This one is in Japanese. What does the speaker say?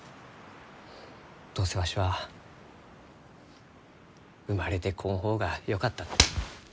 どうせわしは生まれてこん方がよかった。